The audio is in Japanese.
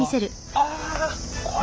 あこれ！